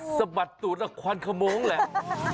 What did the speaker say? สะบัดตูดแล้วควันขโมงแหละ